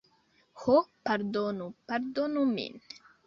Ho, pardonu, pardonu min!